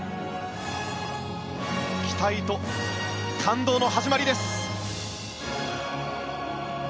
期待と感動の始まりです。